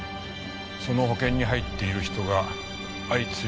その保険に入っている人が相次いで事故死。